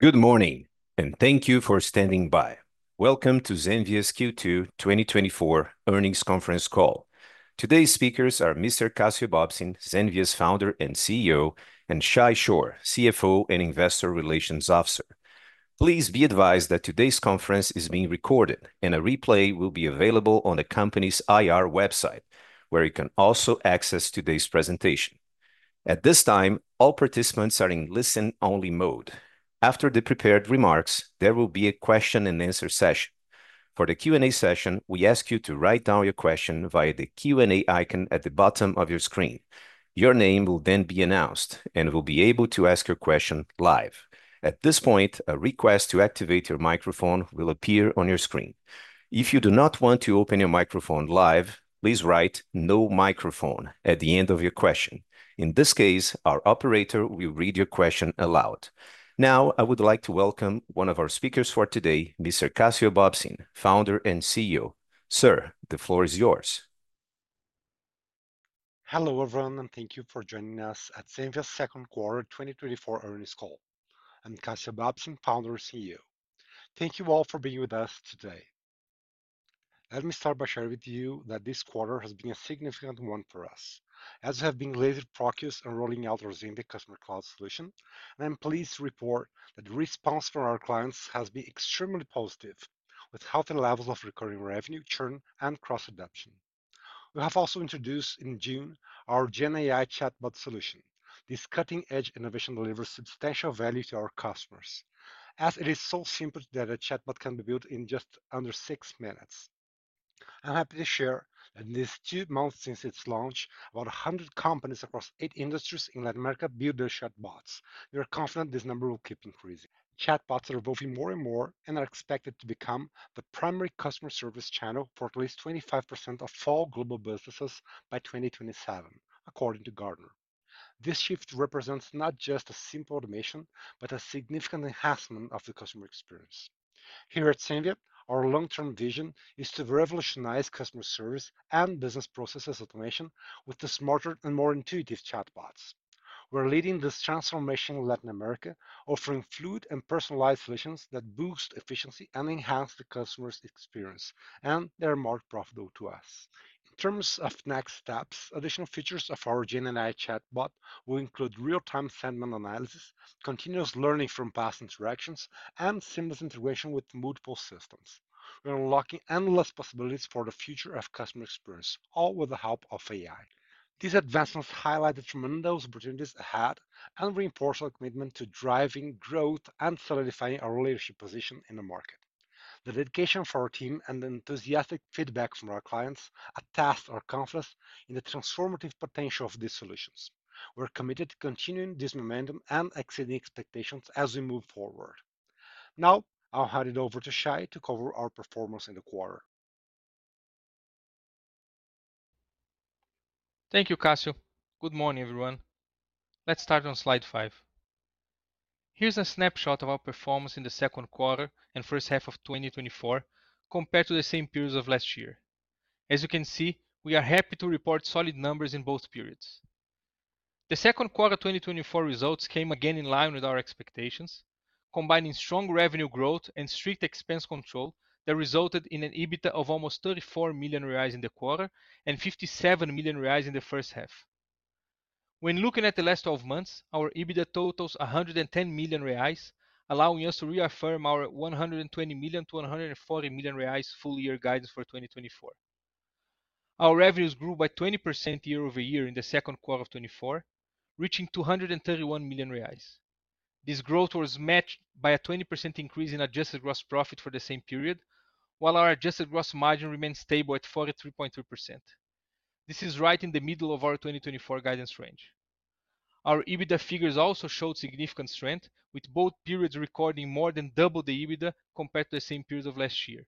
Good morning, and thank you for standing by. Welcome to Zenvia's Q2 2024 Earnings Conference Call. Today's speakers are Mr. Cassio Bobsin, Zenvia's founder and CEO, and Shay Chor, CFO and Investor Relations Officer. Please be advised that today's conference is being recorded, and a replay will be available on the company's IR website, where you can also access today's presentation. At this time, all participants are in listen-only mode. After the prepared remarks, there will be a question-and-answer session. For the Q&A session, we ask you to write down your question via the Q&A icon at the bottom of your screen. Your name will then be announced, and you will be able to ask your question live. At this point, a request to activate your microphone will appear on your screen. If you do not want to open your microphone live, please write "no microphone" at the end of your question. In this case, our operator will read your question aloud. Now, I would like to welcome one of our speakers for today, Mr. Cassio Bobsin, Founder and CEO. Sir, the floor is yours. Hello, everyone, and thank you for joining us at Zenvia's second quarter 2024 earnings call. I'm Cassio Bobsin, founder and CEO. Thank you all for being with us today. Let me start by sharing with you that this quarter has been a significant one for us. As we have been laser-focused on rolling out our Zenvia Customer Cloud solution, and I'm pleased to report that the response from our clients has been extremely positive, with healthy levels of recurring revenue, churn, and cross-adoption. We have also introduced in June our GenAI chatbot solution. This cutting-edge innovation delivers substantial value to our customers as it is so simple that a chatbot can be built in just under six minutes. I'm happy to share that in these two months since its launch, about 100 companies across eight industries in Latin America built their chatbots. We are confident this number will keep increasing. Chatbots are evolving more and more and are expected to become the primary customer service channel for at least 25% of all global businesses by 2027, according to Gartner. This shift represents not just a simple automation, but a significant enhancement of the customer experience. Here at Zenvia, our long-term vision is to revolutionize customer service and business processes automation with the smarter and more intuitive chatbots. We're leading this transformation in Latin America, offering fluid and personalized solutions that boost efficiency and enhance the customer's experience, and they are more profitable to us. In terms of next steps, additional features of our GenAI chatbot will include real-time sentiment analysis, continuous learning from past interactions, and seamless integration with multiple systems. We're unlocking endless possibilities for the future of customer experience, all with the help of AI. These advancements highlight the tremendous opportunities ahead and reinforce our commitment to driving growth and solidifying our leadership position in the market. The dedication for our team and the enthusiastic feedback from our clients attest our confidence in the transformative potential of these solutions. We're committed to continuing this momentum and exceeding expectations as we move forward. Now, I'll hand it over to Shay to cover our performance in the quarter. Thank you, Cassio. Good morning, everyone. Let's start on slide five. Here's a snapshot of our performance in the second quarter and first half of 2024, compared to the same periods of last year. As you can see, we are happy to report solid numbers in both periods. The second quarter 2024 results came again in line with our expectations, combining strong revenue growth and strict expense control that resulted in an EBITDA of almost 34 million reais in the quarter and 57 million reais in the first half. When looking at the last twelve months, our EBITDA totals 110 million reais, allowing us to reaffirm our 120 million-140 million reais full-year guidance for 2024. Our revenues grew by 20% year-over-year in the second quarter of 2024, reaching 231 million reais. This growth was matched by a 20% increase in adjusted gross profit for the same period, while our adjusted gross margin remained stable at 43.3%. This is right in the middle of our 2024 guidance range. Our EBITDA figures also showed significant strength, with both periods recording more than double the EBITDA compared to the same period of last year,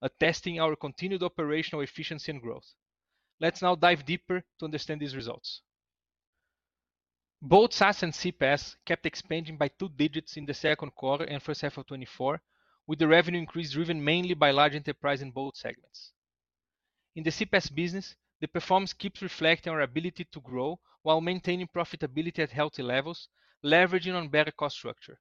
attesting our continued operational efficiency and growth. Let's now dive deeper to understand these results. Both SaaS and CPaaS kept expanding by two digits in the second quarter and first half of 2024, with the revenue increase driven mainly by large enterprise in both segments. In the CPaaS business, the performance keeps reflecting our ability to grow while maintaining profitability at healthy levels, leveraging on better cost structure.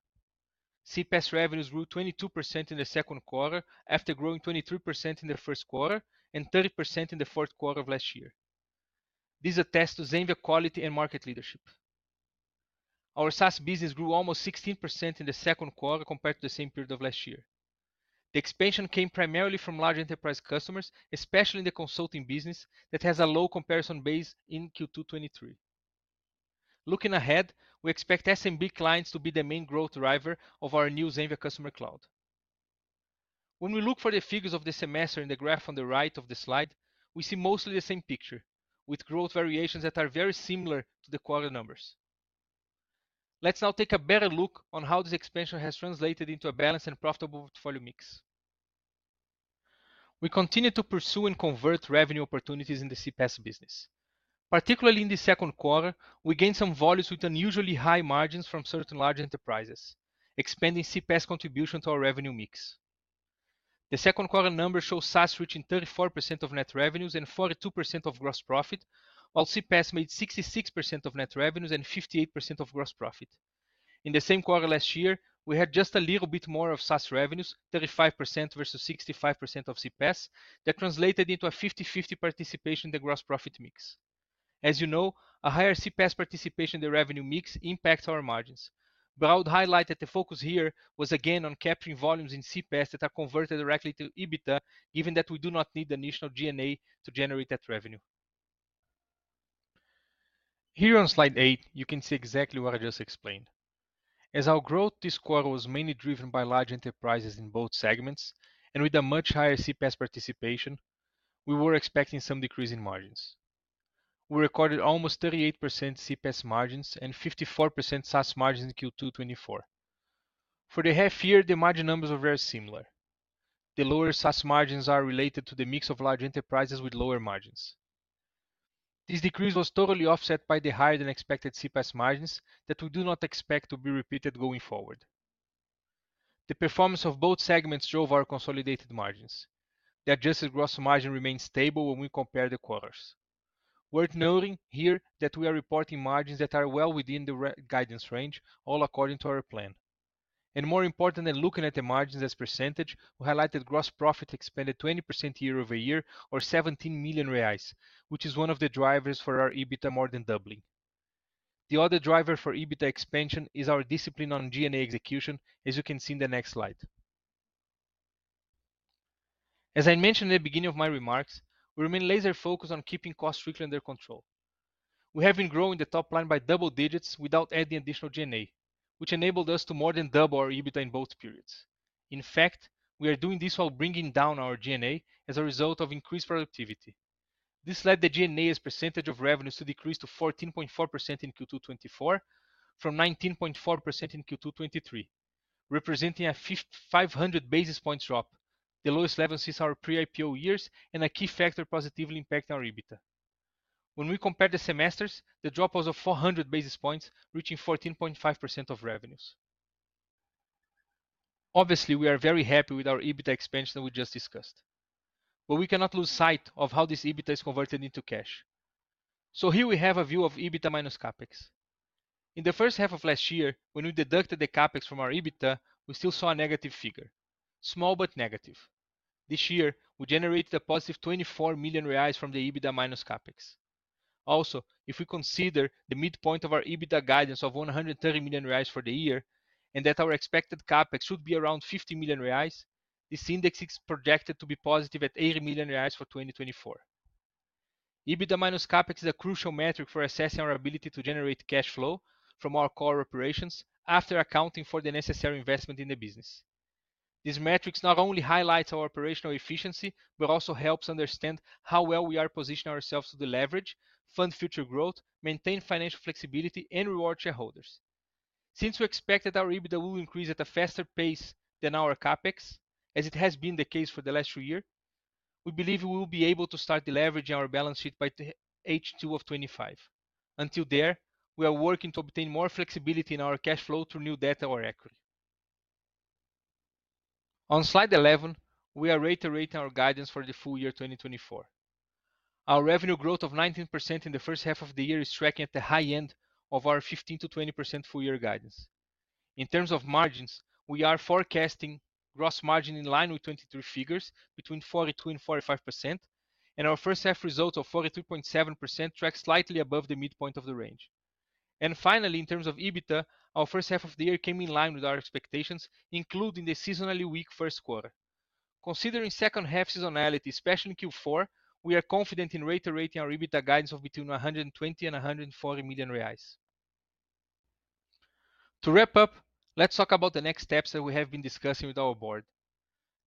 CPaaS revenues grew 22% in the second quarter, after growing 23% in the first quarter and 30% in the fourth quarter of last year. This attests to Zenvia's quality and market leadership. Our SaaS business grew almost 16% in the second quarter compared to the same period of last year. The expansion came primarily from large enterprise customers, especially in the consulting business, that has a low comparison base in Q2 2023. Looking ahead, we expect SMB clients to be the main growth driver of our new Zenvia Customer Cloud. When we look for the figures of the semester in the graph on the right of the slide, we see mostly the same picture, with growth variations that are very similar to the quarter numbers. Let's now take a better look on how this expansion has translated into a balanced and profitable portfolio mix. We continue to pursue and convert revenue opportunities in the CPaaS business. Particularly in the second quarter, we gained some volumes with unusually high margins from certain large enterprises, expanding CPaaS contribution to our revenue mix. The second quarter numbers show SaaS reaching 34% of net revenues and 42% of gross profit, while CPaaS made 66% of net revenues and 58% of gross profit. In the same quarter last year, we had just a little bit more of SaaS revenues, 35% versus 65% of CPaaS, that translated into a 50-50 participation in the gross profit mix. As you know, a higher CPaaS participation in the revenue mix impacts our margins. But I would highlight that the focus here was again on capturing volumes in CPaaS that are converted directly to EBITDA, given that we do not need additional G&A to generate that revenue. Here on slide eight, you can see exactly what I just explained. As our growth this quarter was mainly driven by large enterprises in both segments, and with a much higher CPaaS participation, we were expecting some decrease in margins. We recorded almost 38% CPaaS margins and 54% SaaS margins in Q2 2024. For the half year, the margin numbers are very similar. The lower SaaS margins are related to the mix of large enterprises with lower margins. This decrease was totally offset by the higher than expected CPaaS margins that we do not expect to be repeated going forward. The performance of both segments drove our consolidated margins. The adjusted gross margin remains stable when we compare the quarters. Worth noting here that we are reporting margins that are well within the re-guidance range, all according to our plan, and more important than looking at the margins as percentage, we highlighted gross profit expanded 20% year-over-year, or 17 million reais, which is one of the drivers for our EBITDA more than doubling. The other driver for EBITDA expansion is our discipline on G&A execution, as you can see in the next slide. As I mentioned in the beginning of my remarks, we remain laser focused on keeping costs strictly under control. We have been growing the top line by double digits without adding additional G&A, which enabled us to more than double our EBITDA in both periods. In fact, we are doing this while bringing down our G&A as a result of increased productivity. This led the G&A as percentage of revenues to decrease to 14.4% in Q2 2024, from 19.4% in Q2 2023, representing a 500 basis points drop, the lowest level since our pre-IPO years and a key factor positively impacting our EBITDA. When we compared the semesters, the drop was of 400 basis points, reaching 14.5% of revenues. Obviously, we are very happy with our EBITDA expansion that we just discussed, but we cannot lose sight of how this EBITDA is converted into cash. So here we have a view of EBITDA minus CapEx. In the first half of last year, when we deducted the CapEx from our EBITDA, we still saw a negative figure. Small, but negative. This year, we generated a positive 24 million reais from the EBITDA minus CapEx. Also, if we consider the midpoint of our EBITDA guidance of 130 million reais for the year, and that our expected CapEx should be around 50 million reais, this index is projected to be positive at 80 million reais for 2024. EBITDA minus CapEx is a crucial metric for assessing our ability to generate cash flow from our core operations after accounting for the necessary investment in the business. These metrics not only highlight our operational efficiency, but also help understand how well we are positioning ourselves to leverage, fund future growth, maintain financial flexibility, and reward shareholders. Since we expect our EBITDA will increase at a faster pace than our CapEx, as it has been the case for the last two years, we believe we will be able to start deleveraging our balance sheet by the H2 of 2025. Until then, we are working to obtain more flexibility in our cash flow through new debt or equity. On slide 11, we are reiterating our guidance for the full year 2024. Our revenue growth of 19% in the first half of the year is tracking at the high end of our 15%-20% full year guidance. In terms of margins, we are forecasting gross margin in line with 2023 figures, between 42% and 45%, and our first half results of 42.7% track slightly above the midpoint of the range, and finally, in terms of EBITDA, our first half of the year came in line with our expectations, including the seasonally weak first quarter. Considering second half seasonality, especially in Q4, we are confident in reiterating our EBITDA guidance of between 120 million and 140 million reais. To wrap up, let's talk about the next steps that we have been discussing with our board.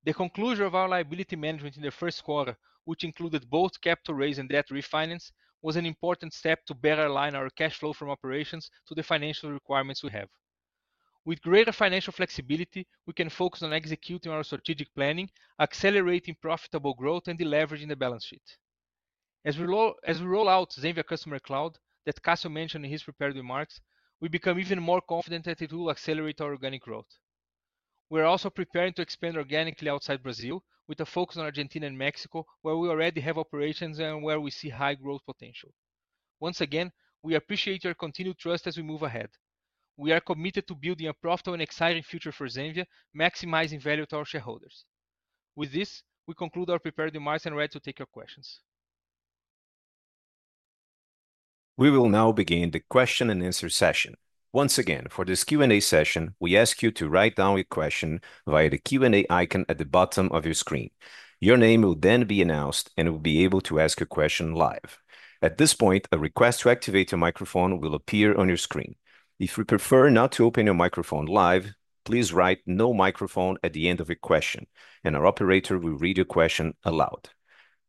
The conclusion of our liability management in the first quarter, which included both capital raise and debt refinance, was an important step to better align our cash flow from operations to the financial requirements we have. With greater financial flexibility, we can focus on executing our strategic planning, accelerating profitable growth, and deleveraging the balance sheet. As we roll out Zenvia Customer Cloud, that Cassio mentioned in his prepared remarks, we become even more confident that it will accelerate our organic growth. We are also preparing to expand organically outside Brazil, with a focus on Argentina and Mexico, where we already have operations and where we see high growth potential. Once again, we appreciate your continued trust as we move ahead. We are committed to building a profitable and exciting future for Zenvia, maximizing value to our shareholders. With this, we conclude our prepared remarks and ready to take your questions. We will now begin the question and answer session. Once again, for this Q&A session, we ask you to write down your question via the Q&A icon at the bottom of your screen. Your name will then be announced, and you'll be able to ask a question live. At this point, a request to activate your microphone will appear on your screen. If you prefer not to open your microphone live, please write "no microphone" at the end of your question, and our operator will read your question aloud.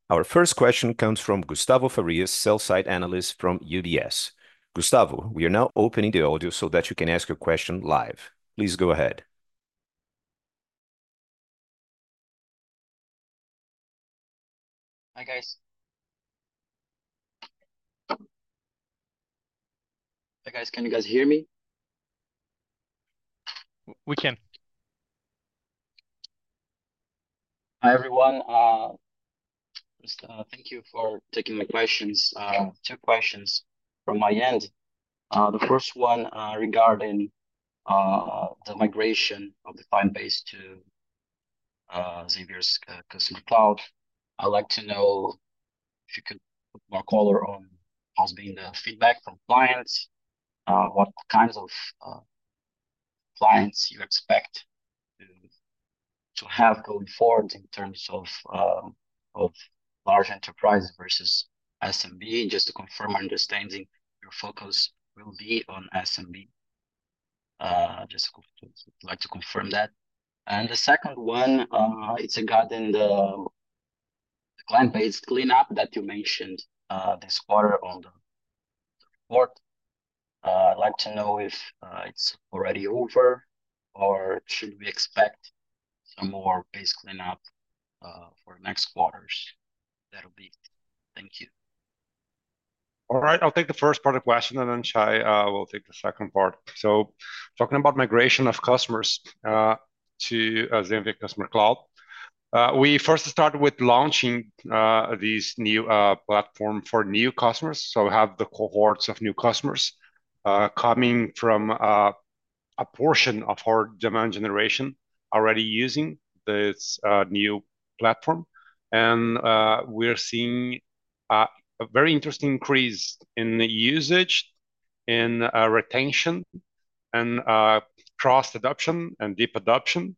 Our first question comes from Gustavo Faria, sell-side analyst from UBS. Gustavo, we are now opening the audio so that you can ask your question live. Please go ahead. Hey, guys, can you guys hear me? We can. Hi, everyone, just thank you for taking my questions. Two questions from my end. The first one, regarding the migration of the client base to Zenvia's Customer Cloud. I'd like to know if you could put more color on how's been the feedback from clients, what kinds of clients you expect to have going forward in terms of of large enterprises versus SMB? Just to confirm our understanding, your focus will be on SMB. Just like to confirm that. And the second one, it's regarding the client base cleanup that you mentioned this quarter on the report. I'd like to know if it's already over, or should we expect some more base cleanup for next quarters? That'll be it. Thank you. All right. I'll take the first part of the question, and then Shay will take the second part. Talking about migration of customers to Zenvia Customer Cloud. We first started with launching these new platform for new customers, so we have the cohorts of new customers coming from a portion of our demand generation already using this new platform. And we're seeing a very interesting increase in the usage, in retention, and cross adoption and deep adoption,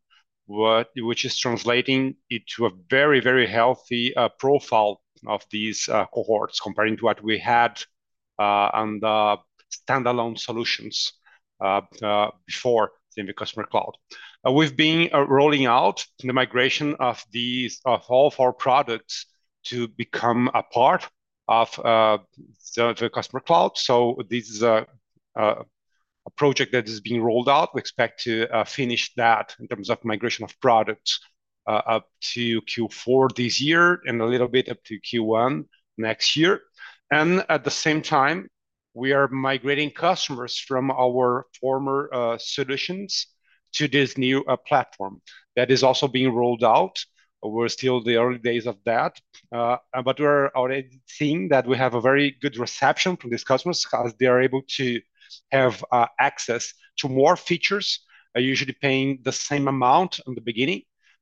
which is translating into a very, very healthy profile of these cohorts, comparing to what we had on the standalone solutions before Zenvia Customer Cloud. We've been rolling out the migration of these, of all of our products to become a part of the Zenvia Customer Cloud. So this is a project that is being rolled out. We expect to finish that in terms of migration of products up to Q4 this year, and a little bit up to Q1 next year. And at the same time, we are migrating customers from our former solutions to this new platform. That is also being rolled out. We're still the early days of that, but we're already seeing that we have a very good reception from these customers because they are able to have access to more features, are usually paying the same amount in the beginning.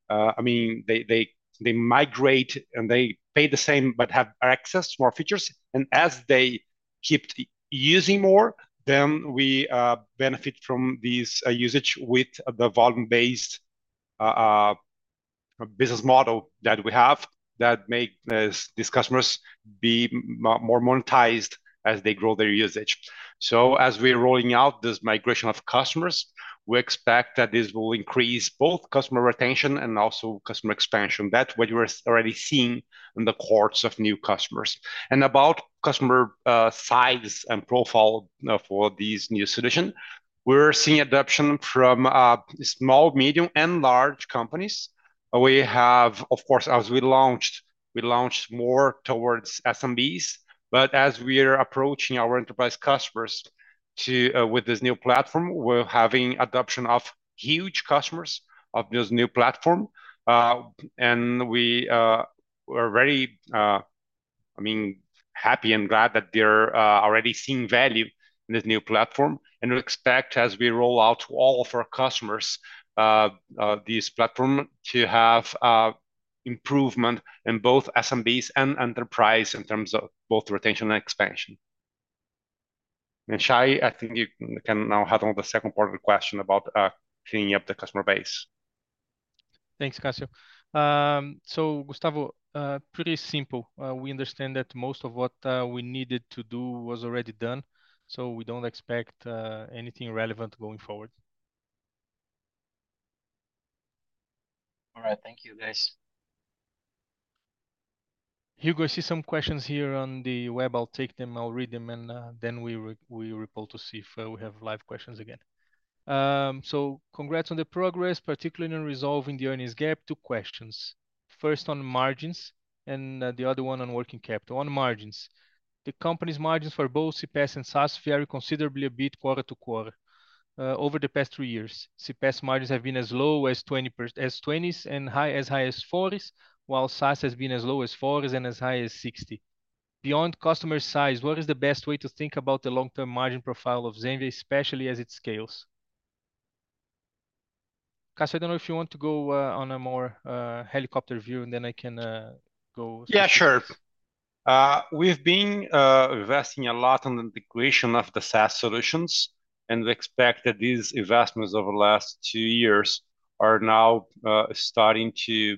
I mean, they migrate, and they pay the same, but have access to more features. And as they keep using more, then we benefit from these usage with the volume-based business model that we have, that make these customers be more monetized as they grow their usage. So as we're rolling out this migration of customers, we expect that this will increase both customer retention and also customer expansion. That's what we're already seeing in the cohorts of new customers. And about customer size and profile for these new solution, we're seeing adoption from small, medium, and large companies. We have, of course, as we launched, we launched more towards SMBs, but as we are approaching our enterprise customers to with this new platform, we're having adoption of huge customers of this new platform. And we, we're very, I mean, happy and glad that they're already seeing value in this new platform. And we expect, as we roll out to all of our customers, this platform, to have improvement in both SMBs and enterprise in terms of both retention and expansion. And Shay, I think you can now handle the second part of the question about cleaning up the customer base. Thanks, Cassio. So, Gustavo, pretty simple. We understand that most of what we needed to do was already done, so we don't expect anything relevant going forward. All right. Thank you, guys. Hugo, I see some questions here on the web. I'll take them, I'll read them, and then we'll report to see if we have live questions again. Congrats on the progress, particularly in resolving the earnings gap. Two questions: first on margins and the other one on working capital. On margins, the company's margins for both CPaaS and SaaS vary considerably a bit quarter to quarter. Over the past three years, CPaaS margins have been as low as 20s% and as high as 40s%, while SaaS has been as low as 40s% and as high as 60%. Beyond customer size, what is the best way to think about the long-term margin profile of Zenvia, especially as it scales? Cassio, I don't know if you want to go on a more helicopter view, and then I can go. Yeah, sure. We've been investing a lot on the integration of the SaaS solutions, and we expect that these investments over the last two years are now starting to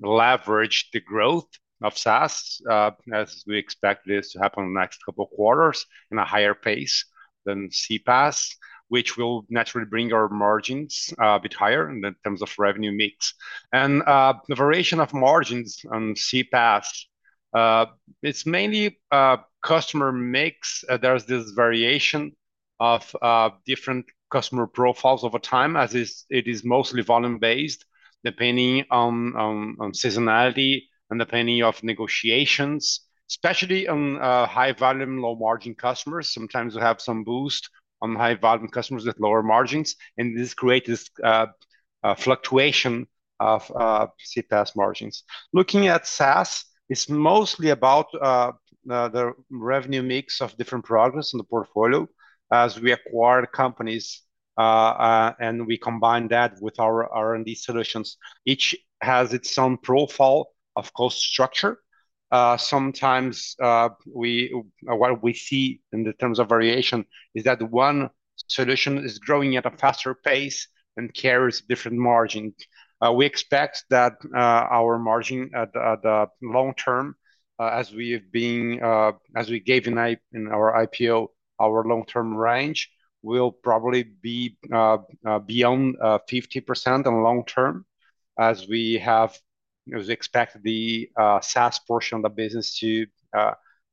leverage the growth of SaaS, as we expect this to happen in the next couple of quarters in a higher pace than CPaaS, which will naturally bring our margins a bit higher in terms of revenue mix. And, the variation of margins on CPaaS, it's mainly customer mix. There's this variation of different customer profiles over time, as it is mostly volume-based, depending on seasonality and depending of negotiations, especially on high volume, low margin customers. Sometimes we have some boost on high volume customers with lower margins, and this create this fluctuation of CPaaS margins. Looking at SaaS, it's mostly about the revenue mix of different products in the portfolio. As we acquire companies and we combine that with our R&D solutions, each has its own profile, of course, structure. Sometimes what we see in the terms of variation is that one solution is growing at a faster pace and carries different margin. We expect that our margin at the long term as we have been as we gave in our IPO, our long-term range will probably be beyond 50% on long term, as we have, as expected, the SaaS portion of the business to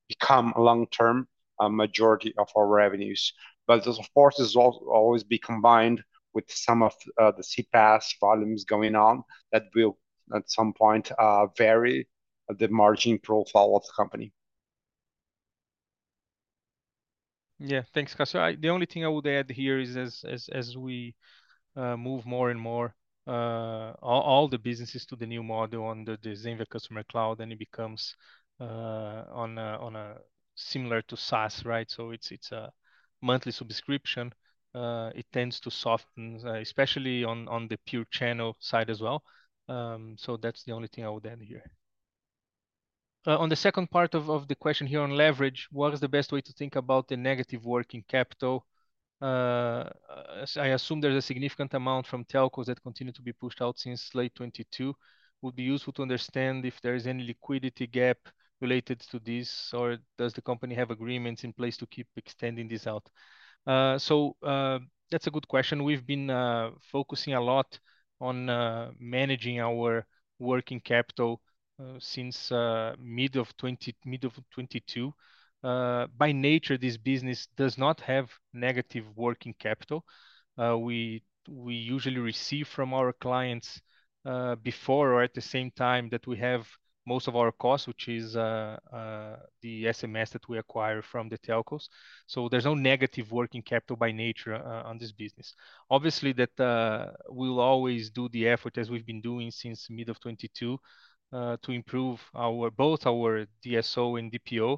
become a long-term majority of our revenues. But this, of course, is always be combined with some of the CPaaS volumes going on that will, at some point, vary the margin profile of the company. Yeah. Thanks, Cassio. The only thing I would add here is as we move more and more all the businesses to the new model on the Zenvia Customer Cloud, then it becomes on a similar to SaaS, right? So it's a monthly subscription. It tends to soften, especially on the pure channel side as well. So that's the only thing I would add here. On the second part of the question here on leverage: What is the best way to think about the negative working capital? I assume there's a significant amount from telcos that continue to be pushed out since late 2022. Would be useful to understand if there is any liquidity gap related to this, or does the company have agreements in place to keep extending this out? So, that's a good question. We've been focusing a lot on managing our working capital since mid-2022. By nature, this business does not have negative working capital. We usually receive from our clients before or at the same time that we have most of our costs, which is the SMS that we acquire from the telcos. So there's no negative working capital by nature on this business. Obviously, that we will always do the effort, as we've been doing since mid-2022, to improve both our DSO and DPO.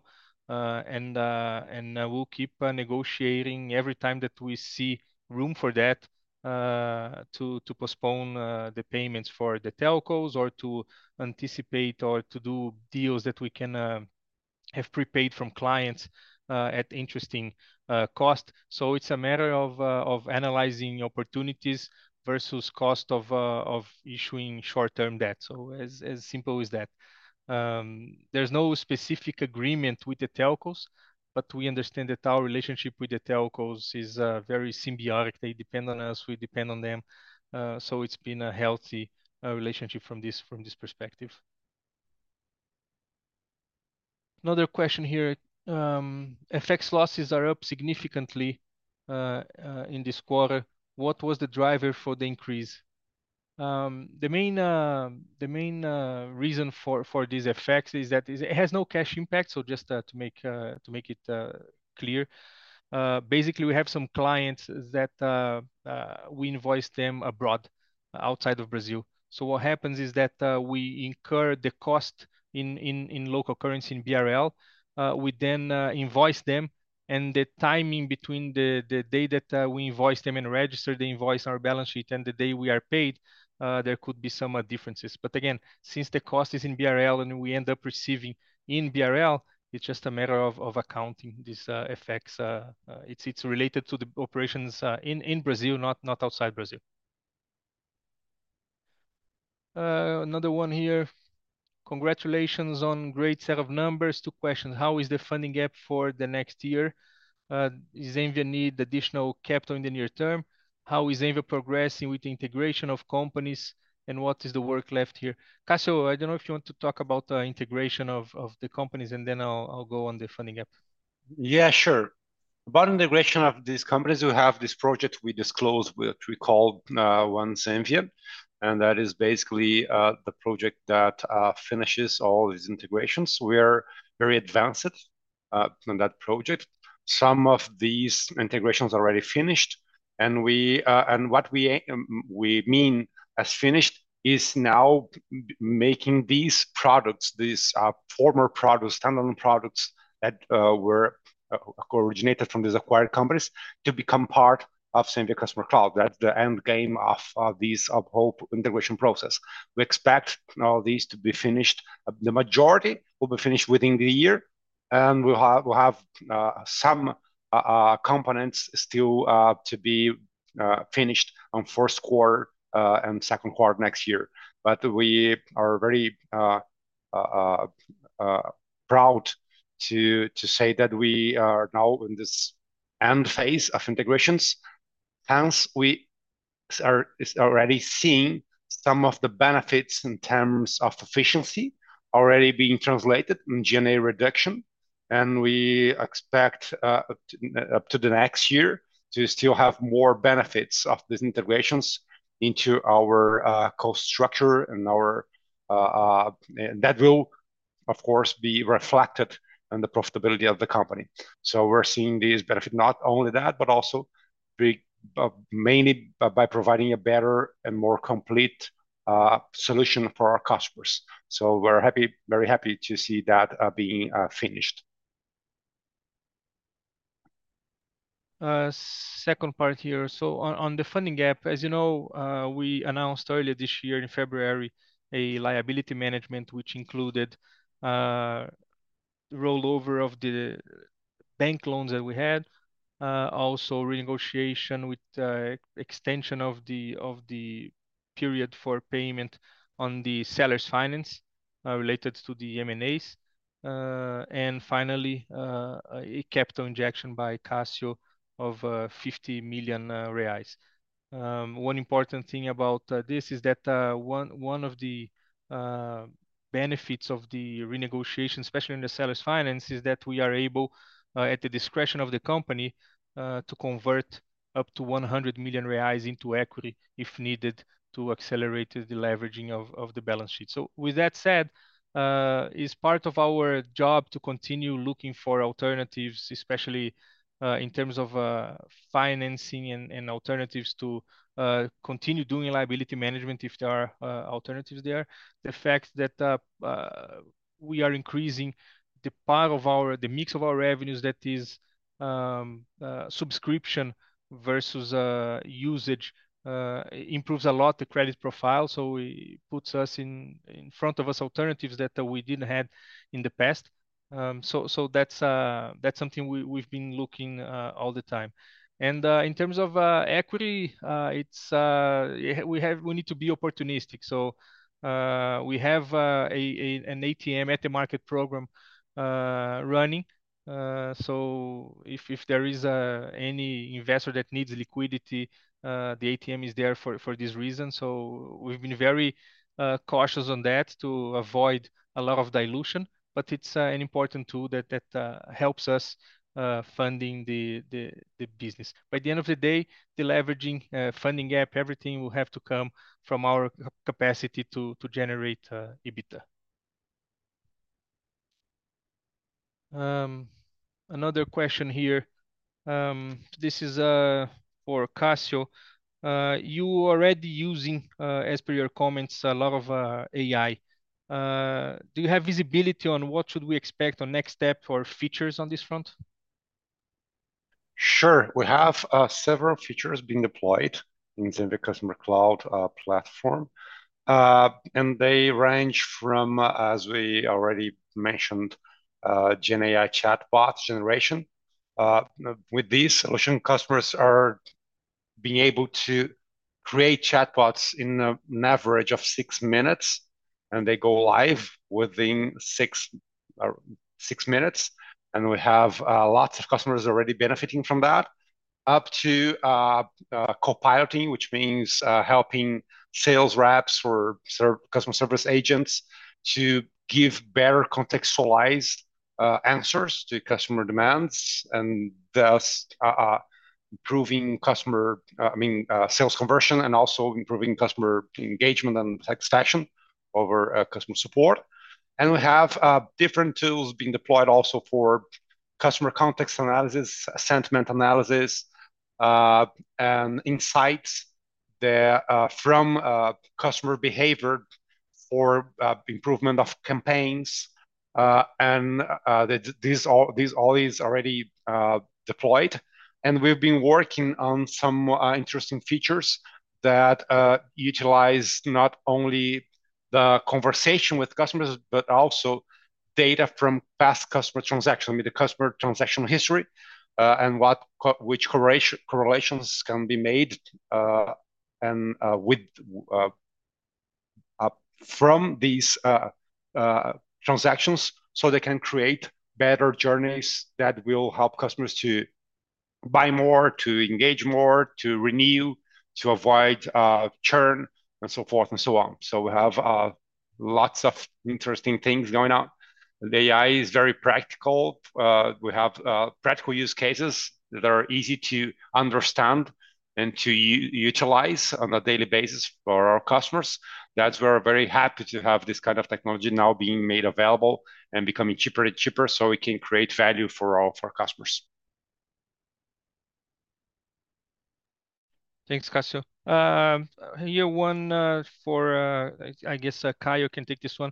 And we'll keep negotiating every time that we see room for that, to postpone the payments for the telcos, or to anticipate, or to do deals that we can have prepaid from clients at interesting cost. So it's a matter of analyzing opportunities versus cost of issuing short-term debt. So as simple as that. There's no specific agreement with the telcos, but we understand that our relationship with the telcos is very symbiotic. They depend on us, we depend on them. So it's been a healthy relationship from this perspective. Another question here. FX losses are up significantly in this quarter. What was the driver for the increase? The main reason for this FX is that it has no cash impact, so just to make it clear. Basically, we have some clients that we invoice them abroad, outside of Brazil, so what happens is that we incur the cost in local currency, in BRL. We then invoice them, and the timing between the day that we invoice them and register the invoice on our balance sheet and the day we are paid, there could be some differences. But again, since the cost is in BRL and we end up receiving in BRL, it's just a matter of accounting, this FX. It's related to the operations in Brazil, not outside Brazil. Another one here: Congratulations on great set of numbers. Two questions. How is the funding gap for the next year? Does Zenvia need additional capital in the near term? How is Zenvia progressing with the integration of companies, and what is the work left here? Cassio, I don't know if you want to talk about the integration of the companies, and then I'll go on the funding gap. Yeah, sure. About integration of these companies, we have this project we disclosed, which we call One Zenvia, and that is basically the project that finishes all these integrations. We are very advanced on that project. Some of these integrations are already finished, and what we mean as finished is now making these products, these former products, standalone products that were originated from these acquired companies, to become part of Zenvia Customer Cloud. That's the end game of this whole integration process. We expect all these to be finished, the majority will be finished within the year, and we'll have some components still to be finished on first quarter and second quarter of next year. But we are very proud to say that we are now in this end phase of integrations. Hence we are already seeing some of the benefits in terms of efficiency already being translated in G&A reduction, and we expect up to the next year to still have more benefits of these integrations into our cost structure and that will, of course, be reflected on the profitability of the company. So we're seeing this benefit, not only that, but also mainly by providing a better and more complete solution for our customers. So we're happy, very happy to see that being finished. Second part here. So on the funding gap, as you know, we announced earlier this year in February a liability management, which included rollover of the bank loans that we had. Also renegotiation with extension of the period for payment on the seller's finance related to the M&As. And finally, a capital injection by Cassio of 50 million reais. One important thing about this is that one of the benefits of the renegotiation, especially in the seller's finance, is that we are able at the discretion of the company to convert up to 100 million reais into equity, if needed, to accelerate the leveraging of the balance sheet. So with that said, it's part of our job to continue looking for alternatives, especially in terms of financing and alternatives to continue doing liability management if there are alternatives there. The fact that we are increasing the part of our the mix of our revenues, that is, subscription versus usage improves a lot the credit profile, so it puts us in front of us alternatives that we didn't had in the past. So that's something we've been looking all the time. And in terms of equity, it's. We have we need to be opportunistic. So we have an ATM at the market program running. So if there is any investor that needs liquidity, the ATM is there for this reason. So we've been very cautious on that to avoid a lot of dilution, but it's an important tool that helps us funding the business. By the end of the day, the leveraging funding gap, everything will have to come from our capacity to generate EBITDA. Another question here. This is for Cassio. You already using, as per your comments, a lot of AI. Do you have visibility on what should we expect on next step or features on this front? Sure. We have several features being deployed in Zenvia Customer Cloud platform. And they range from, as we already mentioned, GenAI chatbots generation. With this solution, customers are being able to create chatbots in an average of six minutes, and they go live within six minutes. And we have lots of customers already benefiting from that, up to co-piloting, which means helping sales reps or customer service agents to give better contextualized answers to customer demands, and thus improving customer, I mean, sales conversion, and also improving customer engagement and satisfaction over customer support. And we have different tools being deployed also for customer context analysis, sentiment analysis, and insights there from customer behavior for improvement of campaigns. and these all is already deployed, and we've been working on some interesting features that utilize not only the conversation with customers, but also data from past customer transaction with the customer transactional history, and which correlations can be made from these transactions, so they can create better journeys that will help customers to buy more, to engage more, to renew, to avoid churn, and so forth and so on. So we have lots of interesting things going on. The AI is very practical. We have practical use cases that are easy to understand and to utilize on a daily basis for our customers. That's why we're very happy to have this kind of technology now being made available and becoming cheaper and cheaper, so we can create value for all of our customers. Thanks, Cassio. Here's one. I guess Cassio can take this one.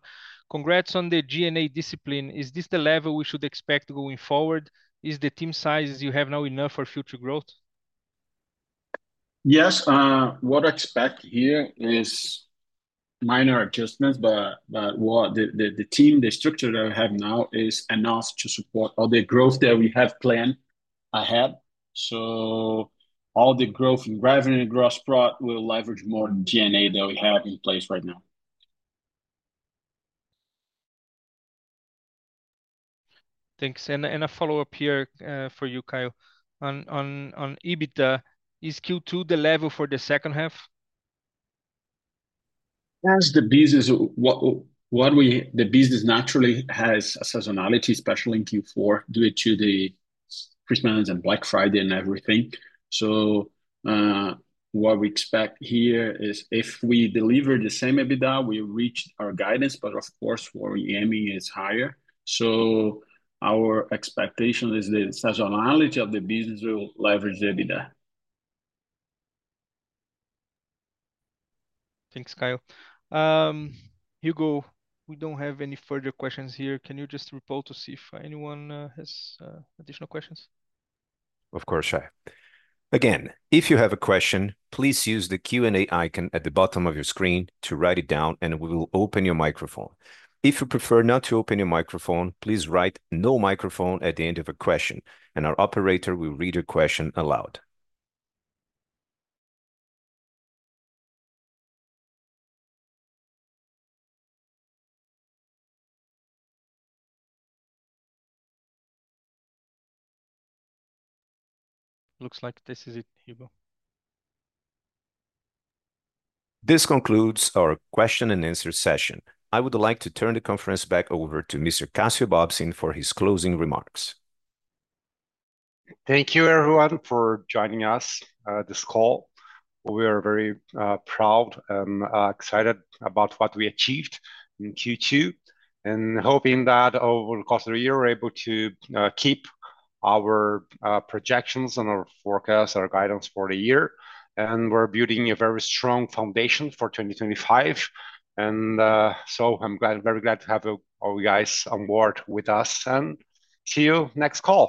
Congrats on the G&A discipline. Is this the level we should expect going forward? Is the team sizes you have now enough for future growth? Yes. What I expect here is minor adjustments, but what the team, the structure that I have now is enough to support all the growth that we have planned ahead. So all the growth in revenue and gross profit will leverage more G&A that we have in place right now. Thanks. And, a follow-up here, for you, Cassio. On EBITDA, is Q2 the level for the second half? As the business, the business naturally has a seasonality, especially in Q4, due to the Christmas and Black Friday and everything. So, what we expect here is if we deliver the same EBITDA, we reached our guidance, but of course, for year ending is higher. So our expectation is the seasonality of the business will leverage the EBITDA. Thanks, Cassio. Hugo, we don't have any further questions here. Can you just report to see if anyone has additional questions? Of course, I have. Again, if you have a question, please use the Q&A icon at the bottom of your screen to write it down, and we will open your microphone. If you prefer not to open your microphone, please write "no microphone" at the end of a question, and our operator will read your question aloud. Looks like this is it, Hugo. This concludes our question and answer session. I would like to turn the conference back over to Mr. Cassio Bobsin for his closing remarks. Thank you, everyone, for joining us this call. We are very proud and excited about what we achieved in Q2, and hoping that over the course of the year, we're able to keep our projections and our forecast, our guidance for the year, and we're building a very strong foundation for 2025, and so I'm glad, very glad to have all you guys on board with us, and see you next call.